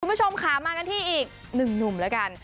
คุณผู้ชมค่ะมากันที่อีกหนึ่งหนุ่มแล้วกัน